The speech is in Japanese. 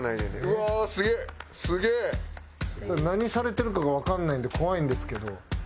何されてるかがわかんないんで怖いんですけど。